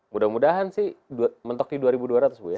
mudah mudahan sih mentok di dua ribu dua ratus bu ya